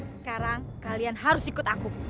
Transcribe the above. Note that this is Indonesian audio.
sekarang kalian harus ikut aku